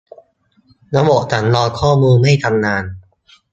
ระบบสำรองข้อมูลไม่ทำงาน